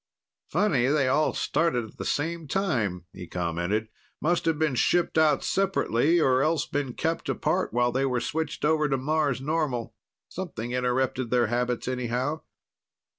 "Funny they all started at the same time," he commented. "Must have been shipped out separately or else been kept apart while they were switched over to Mars normal. Something interrupted their habits, anyhow."